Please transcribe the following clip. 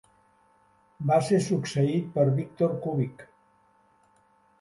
Va ser succeït per Victor Kubik.